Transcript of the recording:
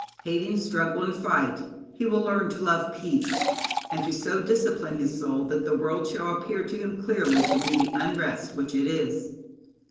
Hating struggle and fight, he will learn to love peace, and to so discipline his soul that the world shall appear to him clearly to be the unrest which it is.